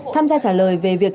tham gia trả lời về việc